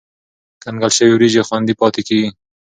کنګل شوې وریجې خوندي پاتې کېږي.